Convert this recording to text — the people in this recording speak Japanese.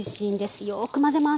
よく混ぜます。